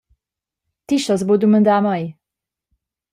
Ti stos buca dumandar mei.